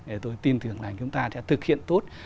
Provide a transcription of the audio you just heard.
để tôi tin tưởng là chúng ta sẽ thực hiện tốt